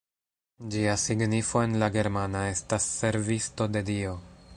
Ĝia signifo en la germana estas «servisto de Dio».